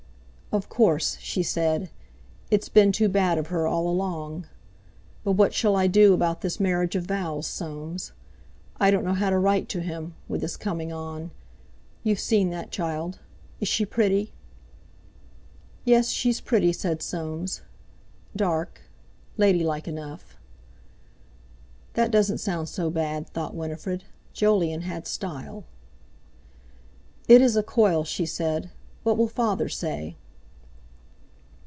"Of course," she said, "it's been too bad of her all along! But what shall I do about this marriage of Val's, Soames? I don't know how to write to him, with this coming on. You've seen that child. Is she pretty?" "Yes, she's pretty," said Soames. "Dark—lady like enough." "That doesn't sound so bad," thought Winifred. "Jolyon had style." "It is a coil," she said. "What will father say?